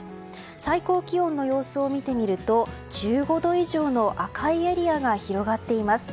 最高気温の様子を見てみると１５度以上の赤いエリアが広がっています。